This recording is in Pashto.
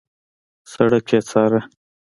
سړک يې څاره.